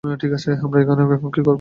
ঠিক আছে, আমরা এখন কী করব?